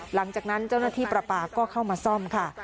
หลังจากนั้นเจ้าหน้าที่ประปาก็เข้ามาซ่อมค่ะ